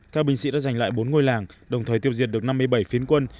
các binh sĩ đã giành lại bốn ngôi làng đồng thời tiêu diệt được năm mươi bảy phiến quân